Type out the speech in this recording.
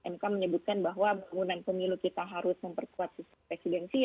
mk menyebutkan bahwa bangunan pemilu kita harus memperkuat sistem presidensi